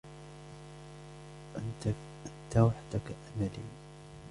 أنت وحدك أملي.